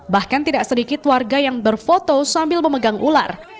bahkan tidak sedikit warga yang berfoto sambil memegang ular